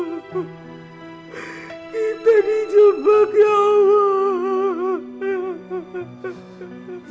kita dijebak ya allah